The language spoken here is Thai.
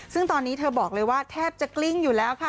ซึ่งตอนนี้เธอบอกเลยว่าแทบจะกลิ้งอยู่แล้วค่ะ